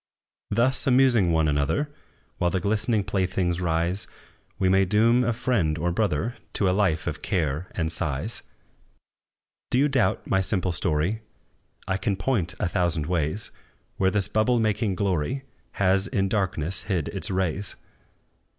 Thus, amusing one another, While the glistening playthings rise, We may doom a friend or brother To a life of care and sighs. Do you doubt my simple story? I can point a thousand ways Where this bubble making glory Has in darkness hid its rays!